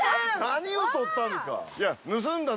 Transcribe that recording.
何を取ったんですか？